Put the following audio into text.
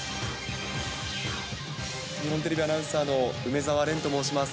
日本テレビアナウンサーの梅澤廉と申します。